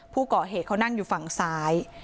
ผู้ก่อเหตุเขานั่งอยู่ฝั่งซ้าย